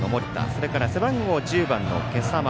それから背番号１０番の今朝丸。